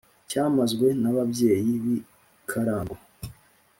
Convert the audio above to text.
cyamazwe na babyeyi b’i karango